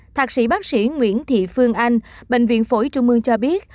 thạc sĩ bác sĩ nguyễn thị phương anh bệnh viện phổi trung mương cho biết